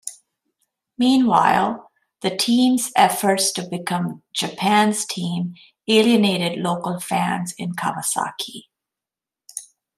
Meanwhile, the team's efforts to become "Japan's Team" alienated local fans in Kawasaki.